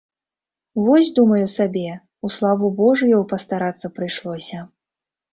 Вось, думаю сабе, у славу божую пастарацца прыйшлося.